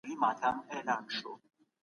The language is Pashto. افغانانو ملاتړ وکړ